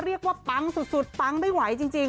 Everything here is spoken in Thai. เรียกว่าปังสุดปังไม่ไหวจริง